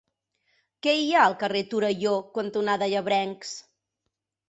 Què hi ha al carrer Torelló cantonada Llebrencs?